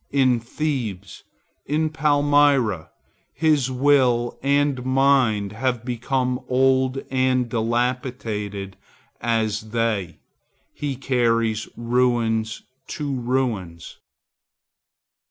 In Thebes, in Palmyra, his will and mind have become old and dilapidated as they. He carries ruins to ruins.